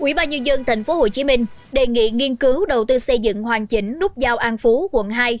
ủy ban nhân dân tp hcm đề nghị nghiên cứu đầu tư xây dựng hoàn chỉnh nút giao an phú quận hai